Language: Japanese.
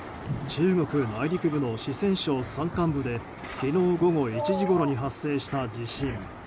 中国内陸部の四川省山間部で昨日午後１時ごろに発生した地震。